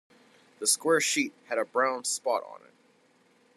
The square sheet had a brown spot on it.